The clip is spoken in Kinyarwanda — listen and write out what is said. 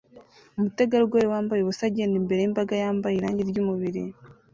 Umutegarugori wambaye ubusa agenda imbere yimbaga yambaye irangi ryumubiri